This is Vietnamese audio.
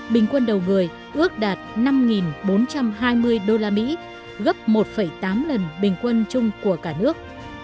bình quân đầu người ước đạt năm bốn trăm hai mươi usd gấp một tám lần bình quân chung của cả nước